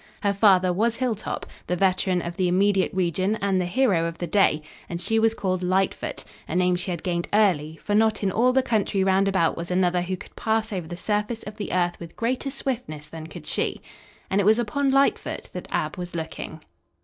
Her father was Hilltop, the veteran of the immediate region and the hero of the day, and she was called Lightfoot, a name she had gained early, for not in all the country round about was another who could pass over the surface of the earth with greater swiftness than could she. And it was upon Lightfoot that Ab was looking.